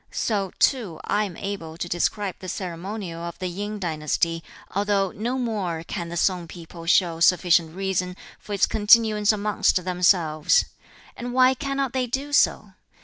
So, too, I am able to describe the ceremonial of the Yin dynasty, although no more can the Sung people show sufficient reason for its continuance amongst themselves. And why cannot they do so?